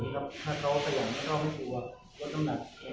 ส่วนถ้าเขากำลังสาหรับถ้าเขาไม่กลัวต้องนำหนักมากนิดนึง